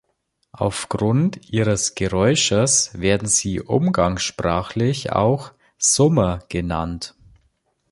Aufgrund ihres Geräusches werden sie umgangssprachlich auch Summer genannt.